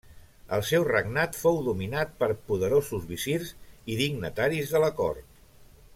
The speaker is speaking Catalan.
El seu regnat fou dominat per poderosos visirs i dignataris de la cort.